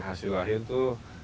hasil akhir itu